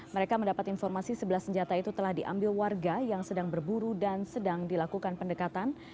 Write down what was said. mereka mendapat informasi sebelah senjata itu telah diambil warga yang sedang berburu dan sedang dilakukan pendekatan